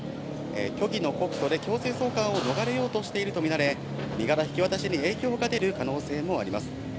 虚偽の告訴で強制送還を逃れようとしていると見られ、身柄引き渡しに影響が出る可能性もあります。